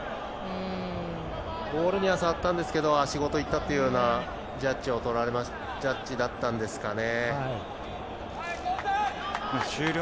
ボールには触ったんですけど足ごといったというようなジャッジだったんですかね。